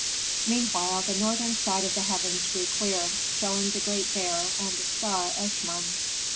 Meanwhile, the northern side of the heavens grew clear, showing the Great Bear and the star, Eshmun.